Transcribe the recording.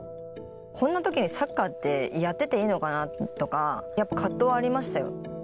こんなときにサッカーってやってていいのかなとか、やっぱ葛藤はありましたよ。